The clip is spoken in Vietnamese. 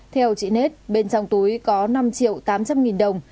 theo chị nết bên trong túi có năm triệu tám trăm linh nghìn đồng